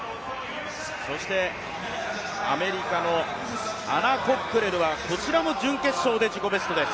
そしてアメリカのアナ・コックレルは、こちらも準決勝で自己ベストです。